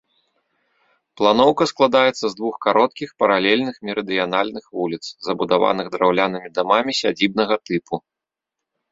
Планоўка складаецца з двух кароткіх, паралельных мерыдыянальных вуліц, забудаваных драўлянымі дамамі сядзібнага тыпу.